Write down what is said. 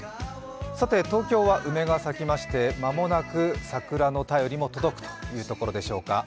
さて、東京は梅が咲きまして間もなく桜の便りも届くというところでしょうか。